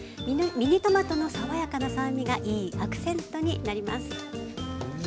ミニトマトの爽やかな酸味がいいアクセントになります。